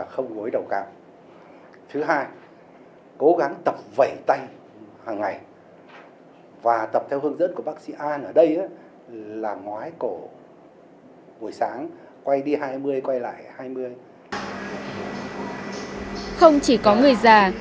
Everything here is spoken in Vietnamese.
không chỉ có người già